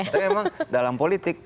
tapi memang dalam politik